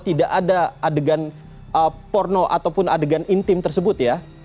tidak ada adegan porno ataupun adegan intim tersebut ya